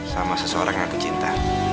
sama seseorang yang aku cinta